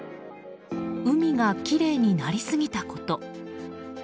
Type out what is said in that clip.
海がきれいになりすぎたこと。